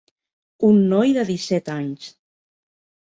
Un noi de disset anys.